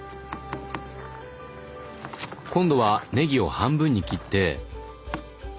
今度はねぎを半分に切ってああ